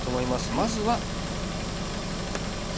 まずはＣ。